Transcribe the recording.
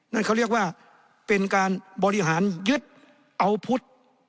นั่นเขาเรียกว่าเป็นการบริหารยึดอาวุธ